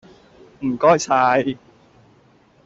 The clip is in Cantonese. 唔該晒